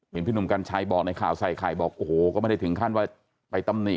พี่หนุ่มกัญชัยบอกในข่าวใส่ไข่บอกโอ้โหก็ไม่ได้ถึงขั้นว่าไปตำหนิ